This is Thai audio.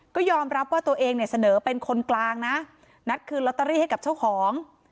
ก็ยอมรับว่าตัวเองเนี่ยเสนอเป็นคนกลางนะนัดคืนลอตเตอรี่ให้กับเจ้าของ